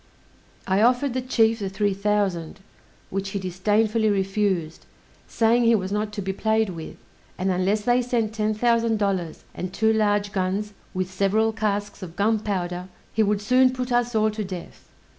I offered the chief the three thousand, which he disdainfully refused, saying he was not to be played with; and unless they sent ten thousand dollars, and two large guns, with several casks of gunpowder, he would soon put us all to death.